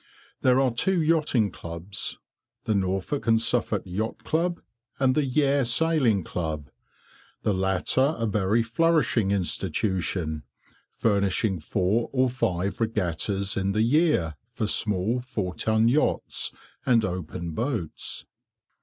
There are two yachting clubs, the Norfolk and Suffolk Yacht Club and the Yare Sailing Club, the latter a very flourishing institution, furnishing four or five regattas in the year for small 4 ton yachts and open boats.